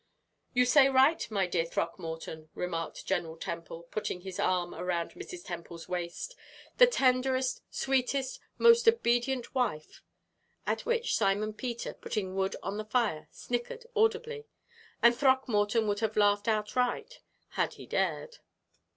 "You say right, my dear Throckmorton," remarked General Temple, putting his arm around Mrs. Temple's waist, "the tenderest, sweetest, most obedient wife" at which Simon Peter, putting wood on the fire, snickered audibly, and Throckmorton would have laughed outright had he dared.